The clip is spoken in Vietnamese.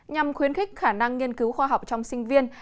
nhằm khuyến khích khả năng nghiên cứu khoa học trong sinh viên